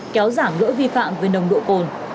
kéo giảm gỡ vi phạm về nồng độ cồn